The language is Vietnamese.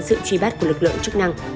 sự truy bắt của lực lượng chức năng